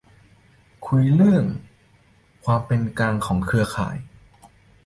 คุยเรื่อง "ความเป็นกลางของเครือข่าย"